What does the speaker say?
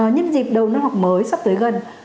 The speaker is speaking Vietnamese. nhất dịp đầu năm học mới sắp tới gần